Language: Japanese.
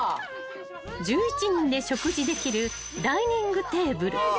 ［１１人で食事できるダイニングテーブル］